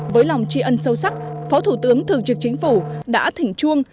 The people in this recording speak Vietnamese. với lòng tri ân sâu sắc phó thủ tướng thường trực chính phủ đã thỉnh chuông